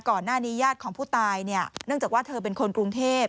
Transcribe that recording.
ญาติญาติของผู้ตายเนี่ยเนื่องจากว่าเธอเป็นคนกรุงเทพ